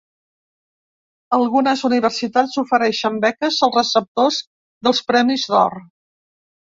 Algunes universitats ofereixen beques als receptors dels Premis d'Or.